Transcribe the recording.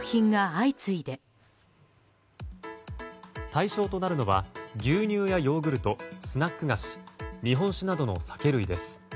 対象となるのは牛乳やヨーグルトスナック菓子日本酒などの酒類です。